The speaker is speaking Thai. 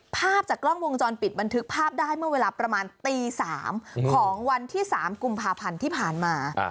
ภาพจากกล้องวงจรปิดบันทึกภาพได้เมื่อเวลาประมาณตี๓ของวันที่๓กุมภาพันธ์ที่ผ่านมา